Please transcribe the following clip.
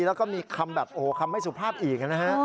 แล้วก็มีคำแบบโอ้โหคำไม่สุภาพอีกนะฮะ